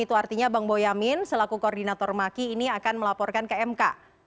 itu artinya bang boyamin selaku koordinator maki ini akan melaporkan ke mk